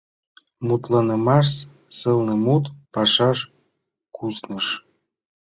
Мутланымаш сылнымут пашаш кусныш.